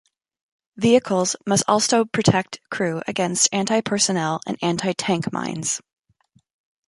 Vehicles must also protect crew against anti-personnel and anti-tank mines.